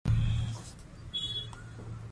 انځور اخیستونکي د مکې ښاري منظرې ثبت کړي.